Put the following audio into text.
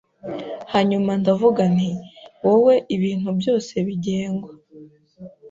Hanyuma ndavuga nti Wowe ibintu byose bigengwa